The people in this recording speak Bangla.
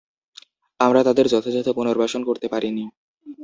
আমরা তাঁদের যথাযথ পুনর্বাসন করতে পারিনি।